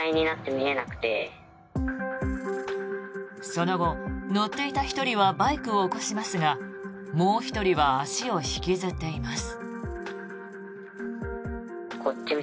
その後、乗っていた１人はバイクを起こしますがもう１人は足を引きずっています。